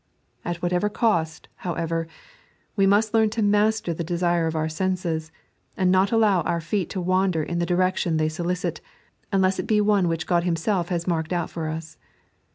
At whatever cost, however, we must learn to master the desire of our senses, and not allow our feet to wander in the directioa they solicit, unless it be one which Ood Himself has marked out for us.